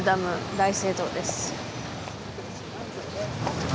大聖堂です